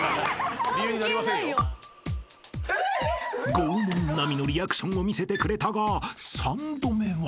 ［拷問並みのリアクションを見せてくれたが３度目は］